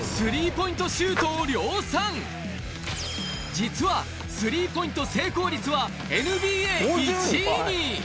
実は３ポイント成功率はＮＢＡ１位に！